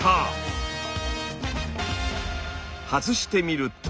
外してみると。